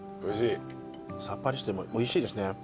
さっぱりしておいしいですね。